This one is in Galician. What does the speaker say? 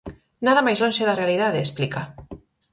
Nada máis lonxe da realidade, explica.